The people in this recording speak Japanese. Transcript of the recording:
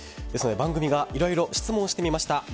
番組がいろいろ質問してみました。